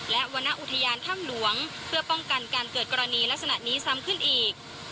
และวรรณอุทยานถ้ำหลวงเพื่อป้องกันการเกิดกรณีลักษณะนี้ซ้ำขึ้นอีก